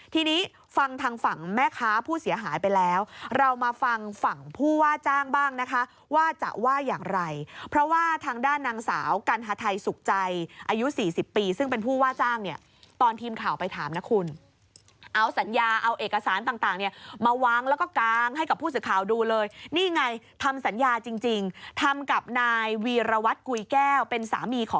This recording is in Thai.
ทีนี้ฟังทางฝั่งแม่ค้าผู้เสียหายไปแล้วเรามาฟังฝั่งผู้ว่าจ้างบ้างนะคะว่าจะว่าอย่างไรเพราะว่าทางด้านนางสาวกัณฑไทยสุขใจอายุ๔๐ปีซึ่งเป็นผู้ว่าจ้างเนี่ยตอนทีมข่าวไปถามนะคุณเอาสัญญาเอาเอกสารต่างเนี่ยมาวางแล้วก็กางให้กับผู้สื่อข่าวดูเลยนี่ไงทำสัญญาจริงทำกับนายวีรวัตรกุยแก้วเป็นสามีของ